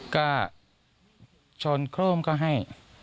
ก็ชนโครมก็ให้